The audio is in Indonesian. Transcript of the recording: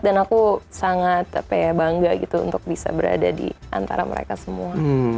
dan aku sangat bangga gitu untuk bisa berada di antara mereka semua